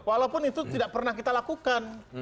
walaupun itu tidak pernah kita lakukan